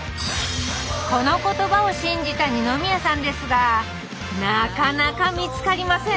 この言葉を信じた二宮さんですがなかなか見つかりません